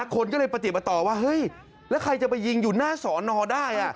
คนก็เลยปฏิมาต่อว่าเฮ้ยแล้วใครจะไปยิงอยู่หน้าสอนอได้